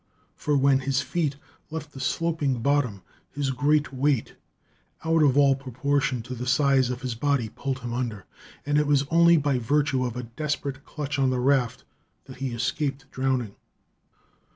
For when his feet left the sloping bottom, his great weight, out of all proportion to the size of his body, pulled him under, and it was only by virtue of a desperate clutch on the raft that he escaped drowning.